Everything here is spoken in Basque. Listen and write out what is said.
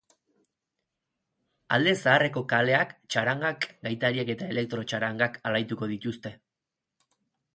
Alde zaharreko kaleak txarangak, gaitariek eta elektro txarangak alaituko dituzte.